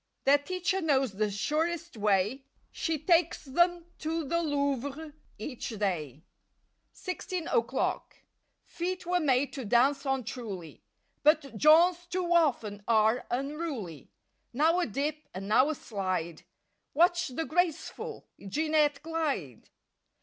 Their teacher knows the surest way: She takes them to the Louvre each day. 37 i FIFTEEN O'CLOCK 39 SIXTEEN O'CLOCK F eet were made to dance on, truly; But Jean's too often are unruly. Now a dip and now a slide— Watch the graceful Jeanette glide!